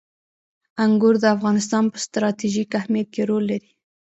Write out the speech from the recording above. انګور د افغانستان په ستراتیژیک اهمیت کې رول لري.